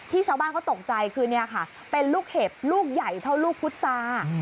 ที่ชาวบ้านก็ตกใจคือเป็นลูกเห็บลูกใหญ่เท่าลูกพุทธซา